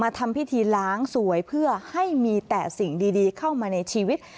ทำพิธีล้างสวยเพื่อให้มีแต่สิ่งดีเข้ามาในชีวิต